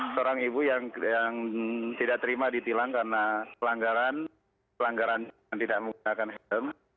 seorang ibu yang tidak terima ditilang karena pelanggaran yang tidak menggunakan helm